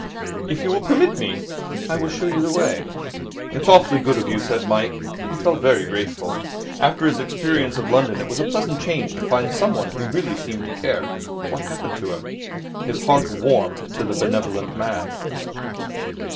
If you will permit me, I will show you the way.' 'It's awfully good of you,' said Mike. He felt very grateful. After his experience of London, it was a pleasant change to find someone who really seemed to care what happened to him. His heart warmed to the benevolent man.